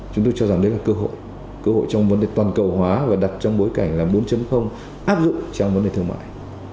chúng tôi cho rằng đấy là cơ hội cơ hội trong vấn đề toàn cầu hóa và đặt trong bối cảnh là bốn áp dụng trong vấn đề thương mại